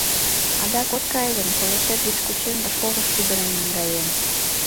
Адак от кае гын, пылышет гыч кучем да школыш шӱдырен наҥгаем!